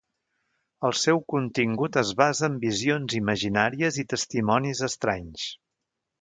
El seu contingut es basa en visions imaginàries i testimonis estranys.